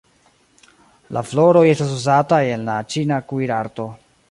La floroj estas uzataj en la ĉina kuirarto.